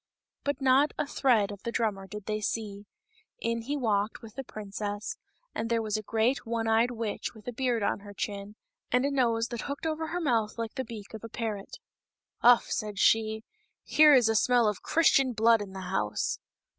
But not a thread of the drummer did they see ; in he walked with the princess, and there was a great one eyed witch with a beard on her chin, and a nose that hooked over her mouth like the beak of a parrot. " Uff !" said she, " here is a smell of Christian blood in the house."